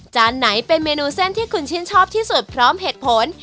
ไหนเป็นเมนูเส้นที่คุณชื่นชอบที่สุดพร้อมเหตุผล